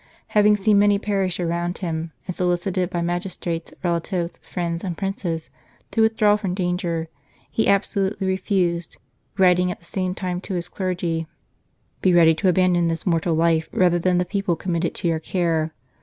Having seen many perish around him, and solicited by magis trates, relatives, friends, and Princes, to withdraw from danger, he absolutely refused, writing at the same time to his clergy :" Be ready to abandon this mortal life rather than the people committed to your care.